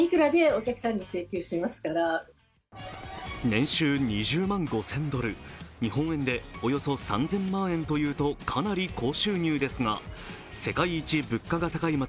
年収２０万５０００ドル、日本円でおよそ３０００万円というとかなり高収入ですが世界一物価が高い街